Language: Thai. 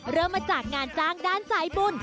เริ่มมาจากงานจ้างด้านสายบุญ